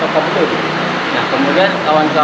tapi baru diklasifikasi ke dewan penyiaran tv kpi